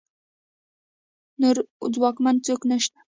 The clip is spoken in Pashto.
نور ځواکمن څوک نشته